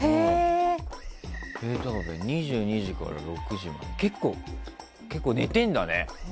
２２時から６時まで結構、寝てるんだね。